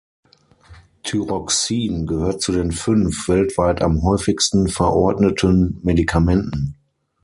Thyroxin gehört zu den fünf weltweit am häufigsten verordneten Medikamenten.